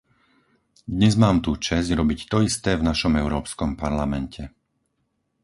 Dnes mám tú česť robiť to isté v našom Európskom parlamente.